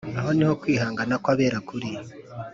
Aho niho kwihangana kw‟abera kuri,